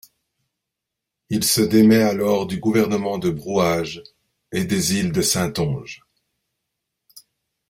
Il se démet alors du gouvernement de Brouage et des îles de Saintonge.